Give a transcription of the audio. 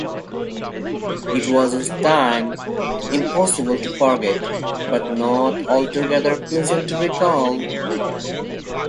It was a time impossible to forget, but not altogether pleasant to recall.